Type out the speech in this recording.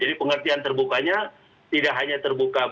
jadi pengertian terbukanya tidak hanya terbuka untuk umum